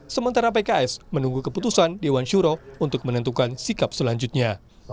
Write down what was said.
sementara pks menunggu keputusan dewan syuro untuk menentukan sikap selanjutnya